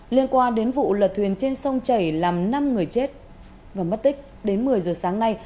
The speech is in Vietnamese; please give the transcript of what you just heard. liên quan đến vụ lật thuyền trên sông chảy làm năm người chết và mất tích đến một mươi giờ sáng nay